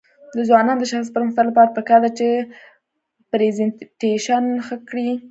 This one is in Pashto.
د ځوانانو د شخصي پرمختګ لپاره پکار ده چې پریزنټیشن ښه کړي.